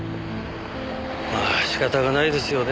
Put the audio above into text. まあ仕方がないですよね。